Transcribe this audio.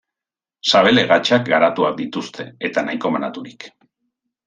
Sabel-hegatsak garatuak dituzte eta nahiko banaturik.